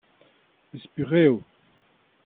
ez purev.